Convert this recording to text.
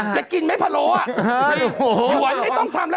จะกินไหมผรโหล